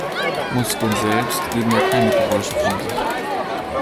Muskeln selbst geben ja keine Geräusche von sich.